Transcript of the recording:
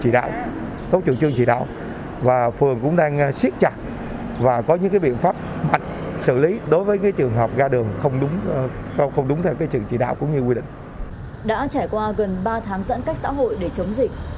đã trải qua gần ba tháng giãn cách xã hội để chống dịch